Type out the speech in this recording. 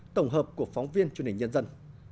tổng hợp của phóng viên truyền hình nhân dân